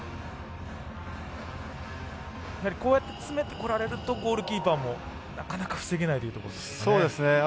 こうやって詰めてこられるとゴールキーパーも、なかなか防げないというところですかね。